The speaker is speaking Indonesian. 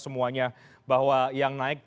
semuanya bahwa yang naik